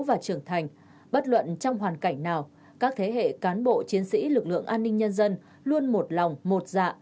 và trưởng thành bất luận trong hoàn cảnh nào các thế hệ cán bộ chiến sĩ lực lượng an ninh nhân dân luôn một lòng một dạ